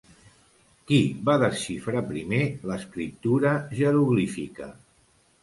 ¿Qui va desxifrar primer l'escriptura jeroglífica?